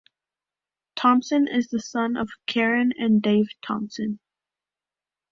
Thompson is the son of Karen and Dave Thompson.